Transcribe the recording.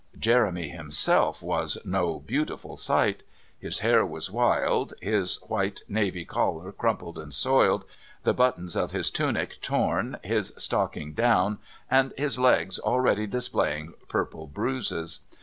Jeremy himself was no beautiful sight. His hair was wild, his white navy collar crumpled and soiled, the buttons of his tunic torn, his stocking down, and his legs already displaying purple bruises.